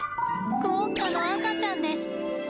クオッカの赤ちゃんです。